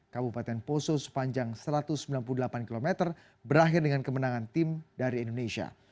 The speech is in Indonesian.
kabupaten poso sepanjang satu ratus sembilan puluh delapan km berakhir dengan kemenangan tim dari indonesia